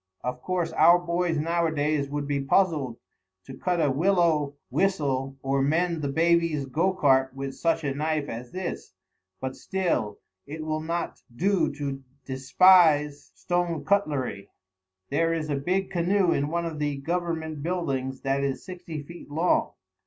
Of course, our boys nowadays would be puzzled to cut a willow whistle or mend the baby's go cart with such a knife as this; but still, it will not do to despise stone cutlery. There is a big canoe in one of the Government buildings that is sixty feet long.